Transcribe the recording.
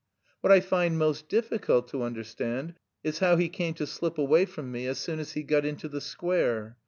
What I find most difficult to understand is how he came to slip away from me as soon as he got into the square.